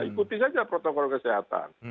ikuti saja protokol kesehatan